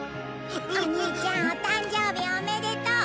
お兄ちゃんお誕生日おめでとう。